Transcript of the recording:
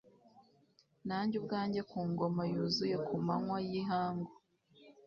Nanjye ubwanjye ku ngoma yuzuye ku manywa yihangu